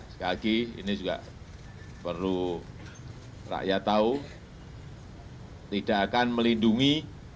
sekali lagi ini juga perlu rakyat tahu tidak akan melindungi